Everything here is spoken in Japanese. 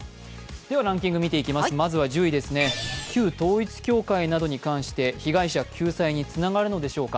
ランキング見ていきます、まずは１０位ですね、旧統一教会に関して被害者救済につながるのでしょうか。